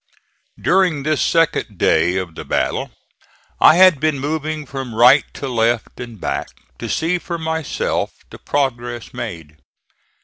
During this second day of the battle I had been moving from right to left and back, to see for myself the progress made.